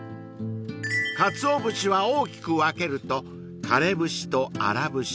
［かつお節は大きく分けると枯節と荒節